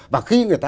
và khi người ta